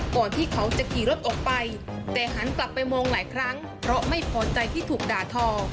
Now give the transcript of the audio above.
ก่อนที่เขาจะขี่รถออกไปแต่หันกลับไปมองหลายครั้งเพราะไม่พอใจที่ถูกด่าทอ